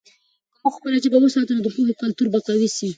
که موږ خپله ژبه وساتو، نو د پوهې کلتور به قوي سي.